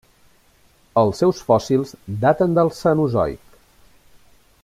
Els seus fòssils daten del Cenozoic.